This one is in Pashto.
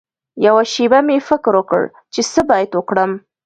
یوه شېبه مې فکر وکړ چې څه باید وکړم.